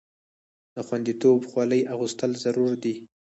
د خوندیتوب خولۍ اغوستل ضروري دي.